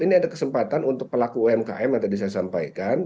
ini ada kesempatan untuk pelaku umkm yang tadi saya sampaikan